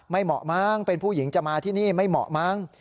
เหมาะมั้งเป็นผู้หญิงจะมาที่นี่ไม่เหมาะมั้ง